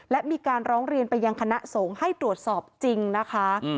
และมีการร้องเรียนไปยังคณะสงฆ์ให้ตรวจสอบจริงนะคะ